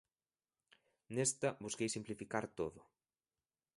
Nesta, busquei simplificar todo.